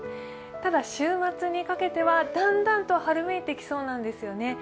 ただ、週末にかけてはだんだんと春めいてきそうなんですよね。